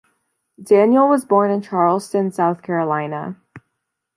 Daniel was born in Charleston, South Carolina.